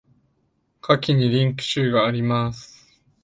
下記にリンク集があります。